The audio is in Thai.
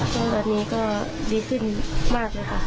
ตอนนี้ก็ดีขึ้นมากเลยค่ะ